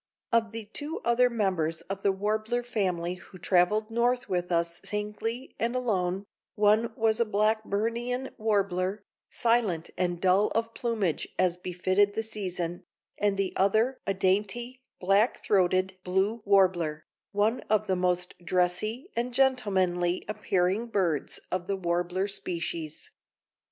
Of the two other members of the warbler family, who traveled north with us singly and alone, one was a Blackburnian warbler, silent and dull of plumage as befitted the season, and the other a dainty black throated blue warbler, one of the most dressy and gentlemanly appearing birds of the warbler species.